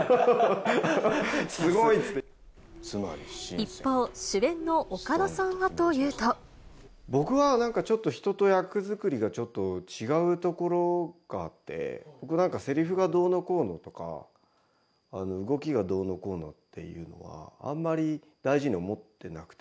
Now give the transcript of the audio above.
一方、主演の岡田さんはとい僕はなんかちょっと、人と役作りがちょっと違うところがあって、僕なんか、せりふがどうのこうのとか、動きがどうのこうのっていうのは、あんまり大事に思ってなくて。